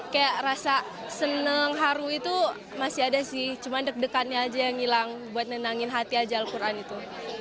kayak rasa senang haru itu masih ada sih cuma deg degannya aja yang ngilang buat nenangin hati aja al quran itu